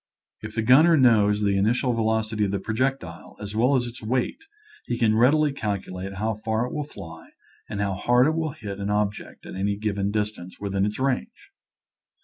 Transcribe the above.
If the gunner knows the initial velocity of the projectile as well as its weight he can readily calculate how far it will fly and how hard it will hit an object at any given dis tance within its range.